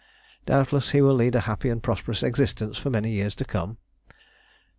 Doubtless he will lead a happy and prosperous existence for many years to come.